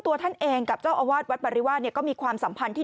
ท่านเองกับเจ้าอาวาสวัดบริวาสเนี่ยก็มีความสัมพันธ์ที่